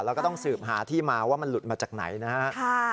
แล้วก็ต้องสืบหาที่มาว่ามันหลุดมาจากไหนนะครับ